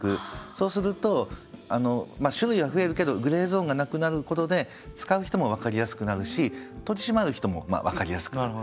そうすると種類は増えるけどグレーゾーンがなくなることで使う人も分かりやすくなるし取り締まる人も分かりやすくなる。